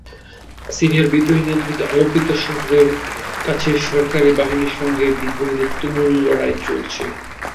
সিরিয়ার বিদ্রোহী নিয়ন্ত্রিত আলেপ্পো শহরের কাছে সরকারি বাহিনীর সঙ্গে বিদ্রোহীদের তুমুল লড়াই চলছে।